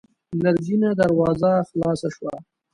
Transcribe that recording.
لرګينه دروازه خلاصه شوه.